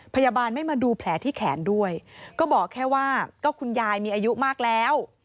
พยาบาลไม่มาดูแผลที่แขนด้วยก็บอกแค่ว่าก็คุณยายมีอายุมากแล้ว